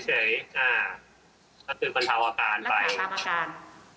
ก็คือบรรเทาอาการไปอะไรมาก่อนและว่าไปกราบอาการ